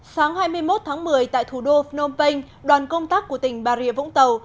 sáng hai mươi một tháng một mươi tại thủ đô phnom penh đoàn công tác của tỉnh bà rịa vũng tàu